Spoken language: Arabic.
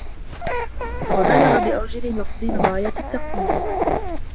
وَبَلِّغْ بِأَوْجَزِ لَفْظٍ غَايَةَ التَّقْوِيمِ